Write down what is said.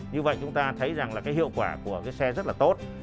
như vậy chúng ta thấy rằng là cái hiệu quả của cái xe rất là tốt